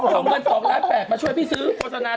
เอาเงิน๒ล้าน๘มาช่วยพี่ซื้อโฆษณา